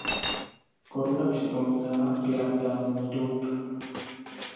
Koruna připomíná pyramidální dub.